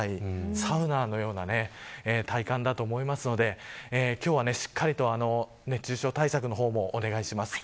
サウナのような体感だと思いますので今日はしっかりと熱中症対策の方もお願いします。